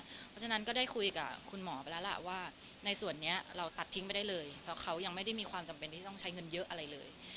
เพราะฉะนั้นก็ได้คุยกับคุณหมอไปแล้วล่ะว่าในส่วนนี้เราตัดทิ้งไปได้เลยเพราะเขายังไม่ได้มีความจำเป็นที่จะต้องใช้เงินเยอะอะไรเลย